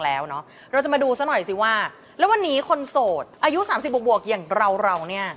แล้ววันนี้คนโสดอายุ๓๐บวกอย่างเราเนี่ย